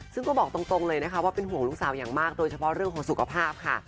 ซึ่งก็บอกตรงเลยนะคะว่าเป็นห่วงลูกสาวอย่างมากโดยเฉพาะเรื่องของสุขภาพค่ะ